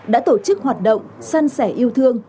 đã tổ chức hoạt động săn sẻ yêu thương